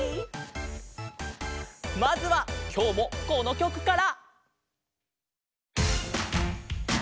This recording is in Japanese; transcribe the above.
まずはきょうもこのきょくから！